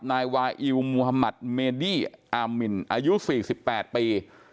นายวาอิลมูฮามัติเมดี้อามินอายุ๔๘ปี